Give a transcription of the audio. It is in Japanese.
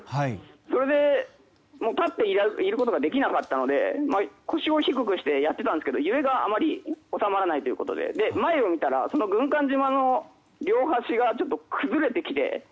それで立っていることができなかったので腰を低くしてやっていたんですが揺れがあまり収まらないということで前を見たらその軍艦島の両端がちょっと崩れてきて。